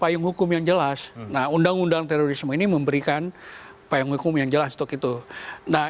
payung hukum yang jelas nah undang undang terorisme ini memberikan payung hukum yang jelas untuk itu nah